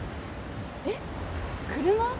えっ、車？